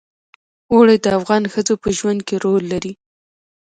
اوړي د افغان ښځو په ژوند کې رول لري.